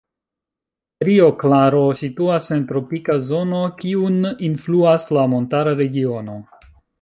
Rio Claro situas en tropika zono, kiun influas la montara regiono.